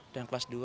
dan kelas dua